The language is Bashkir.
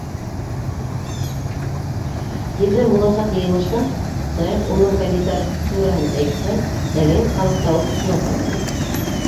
Тиҙҙән буласаҡ йыйылышта Саяф улының кандидатураһын әйтһә, тәғәйен, халыҡта ул хуплау табыр ине.